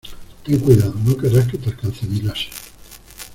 Ten cuidado. No querrás que te alcance mi láser .